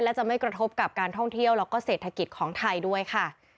และจะไม่กระทบกับการท่องเที่ยวแล้วก็เศรษฐกิจของไทยด้วยค่ะ